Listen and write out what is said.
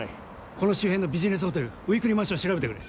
この周辺のビジネスホテルウイークリーマンションを調べてくれ。